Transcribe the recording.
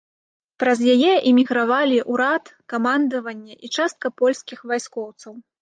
Праз яе эмігравалі ўрад, камандаванне і частка польскіх вайскоўцаў.